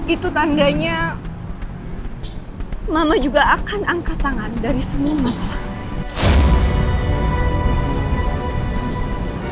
itu tandanya mama juga akan angkat tangan dari semua masalah